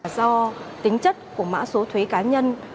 do tính chất của mã số thuế cá nhân